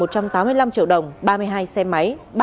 một trăm tám mươi năm triệu đồng ba mươi hai xe máy